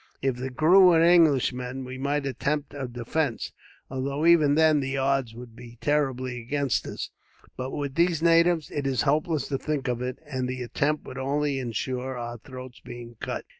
If the crew were Englishmen, we might attempt a defence, although even then the odds would be terribly against us; but with these natives, it is hopeless to think of it, and the attempt would only ensure our throats being cut."